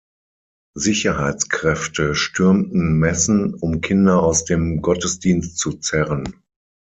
Sicherheitskräfte stürmten Messen, um Kinder aus dem Gottesdienst zu zerren.